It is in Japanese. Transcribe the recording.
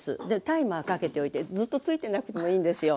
タイマーかけておいてずっとついてなくてもいいんですよ。